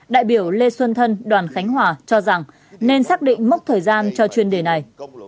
đại biểu lê xuân thân đoàn khánh hòa cho rằng nên xác định mốc thời gian cho chuyên đề này